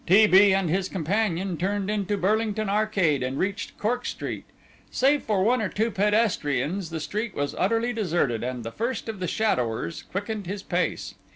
T. B. and his companion turned into Burlington Arcade and reached Cork Street. Save for one or two pedestrians the street was utterly deserted, and the first of the shadowers quickened his pace.